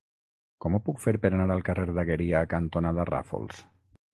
Com ho puc fer per anar al carrer Dagueria cantonada Ràfols?